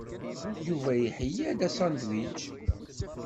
Yuba iheyya-d asandwič.